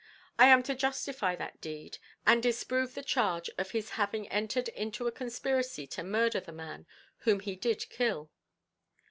I am to justify that deed, and disprove the charge of his having entered into a conspiracy to murder the man, whom he did kill.